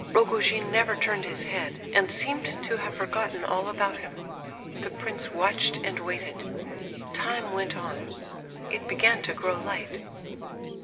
Rogojin never turned his head, and seemed to have forgotten all about him. The prince watched and waited. Time went on—it began to grow light.